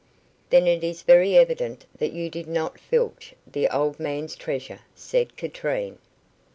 "Then it is very evident that you did not filch the old man's treasure," said Katrine.